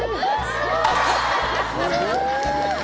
「すごーい！」